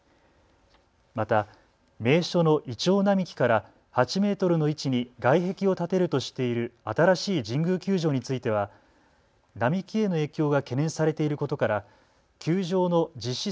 また名所のイチョウ並木から８メートルの位置に外壁を建てるとしている新しい神宮球場については並木への影響が懸念されていることから球場の実施